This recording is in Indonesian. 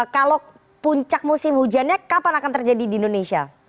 kalau puncak musim hujannya kapan akan terjadi di indonesia